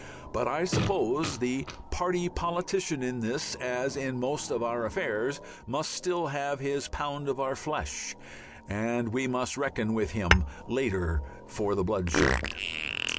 But I suppose the party politician in this, as in most of our affairs, must still have his pound of our flesh and we must reckon with him later for the bloodshed.